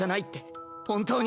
本当に。